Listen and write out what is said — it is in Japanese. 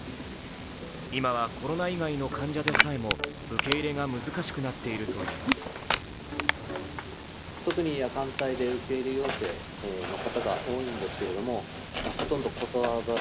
今はコロナ以外の患者でさえも受け入れが難しくなっているといいます。